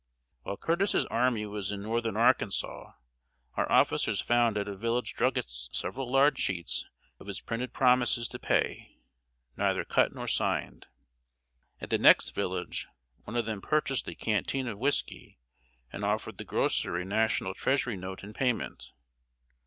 While Curtis's army was in northern Arkansas, our officers found at a village druggist's several large sheets of his printed promises to pay, neither cut nor signed. At the next village one of them purchased a canteen of whisky, and offered the grocer a National treasury note in payment.